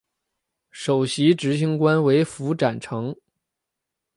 首席执行官为符展成。